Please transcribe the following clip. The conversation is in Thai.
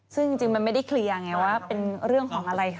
ซึ่งจริงมันไม่ได้เคลียร์ไงว่าเป็นเรื่องของอะไรคะ